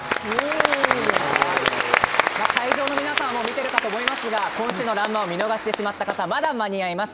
会場の皆さん見てくださったと思いますが今週のドラマを見逃してしまった方まだ間に合います。